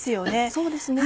そうですね。